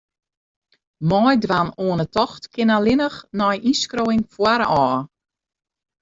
Meidwaan oan 'e tocht kin allinnich nei ynskriuwing foarôf.